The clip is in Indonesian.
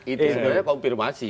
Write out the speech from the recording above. itu sebenarnya konfirmasi